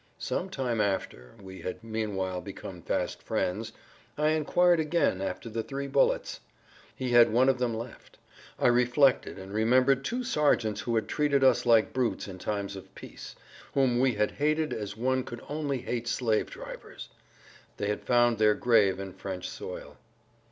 Some time after—we had meanwhile become fast friends—I inquired again after the three bullets. He had one of them left. I reflected and remembered two sergeants who had treated us like brutes in times of peace, whom we had hated as one could only hate slave drivers. They had found their grave in French soil.